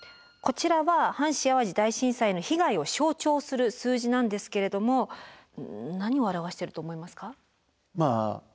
こちらは阪神・淡路大震災の被害を象徴する数字なんですけれども何を表してると思いますか？